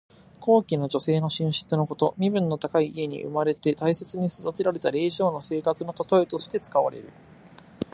高貴な女性の寝室のこと。身分の高い家に生まれて大切に育てられた令嬢の生活のたとえとして使われる。